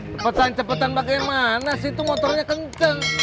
cepetan cepetan bagaimana sih itu motornya kenceng